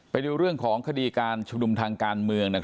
ไปดูเรื่องของคดีการชุมนุมทางการเมือง